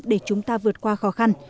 để chúng ta vượt qua khó khăn